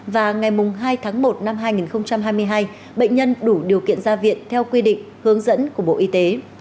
và ngày hai tháng một năm hai nghìn hai mươi hai bệnh nhân đủ điều kiện ra viện theo quy định hướng dẫn của bộ y tế